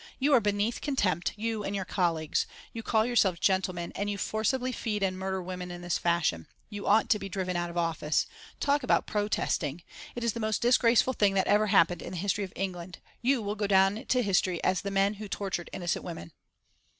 You are beneath contempt, you and your colleagues. You call yourselves gentlemen, and you forcibly feed and murder women in this fashion. You ought to be driven out of office. Talk about protesting. It is the most disgraceful thing that ever happened in the history of England. You will go down to history as the men who tortured innocent women."